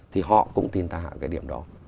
thì họ cũng tin tả cái điểm đó